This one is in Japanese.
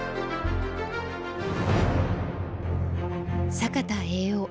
坂田栄男